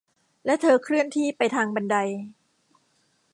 และเธอเคลื่อนที่ไปทางบันได